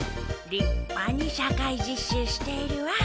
りっぱに社会実習しているわ。